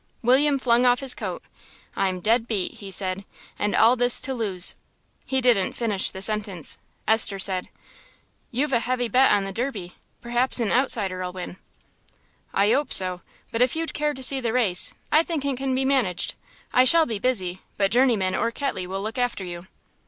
William flung off his coat. "I'm dead beat," he said, "and all this to lose " He didn't finish the sentence. Esther said "You've a heavy book on the Derby. Perhaps an outsider'll win." "I 'ope so.... But if you'd care to see the race, I think it can be managed. I shall be busy, but Journeyman or Ketley will look after you."